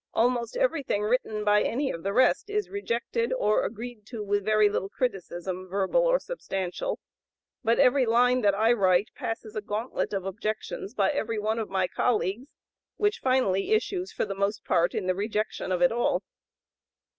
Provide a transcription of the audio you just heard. Almost everything written by any of the rest is rejected, or agreed to with very little criticism, verbal or substantial. But every line that I write passes a gauntlet of objections by every one of my colleagues, which finally issues, for the most part, in the rejection of it all."